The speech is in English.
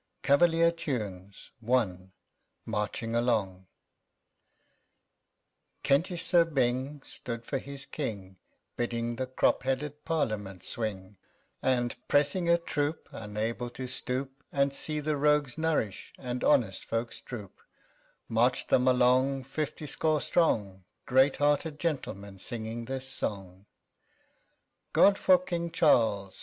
CAVALIER TUNES I MARCHING ALONG Kentish Sir Byng stood for his King, Bidding the crop headed Parliament swing; And, pressing a troop unable to stoop And see the rogues nourish and honest folk droop, Marched them along, fifty score strong, 5 Great hearted gentlemen, singing this song: God for King Charles!